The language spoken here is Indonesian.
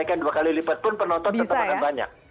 tiketnya dinaikkan dua kali lipat pun penonton tetap banyak banyak